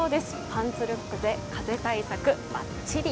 パンツルックで風対策バッチリ。